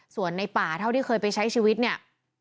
ส่วนในป่าเท่าที่เคยไปใช้ชีวิตเนี่ย